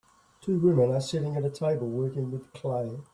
Two woman are sitting at a table working with clay.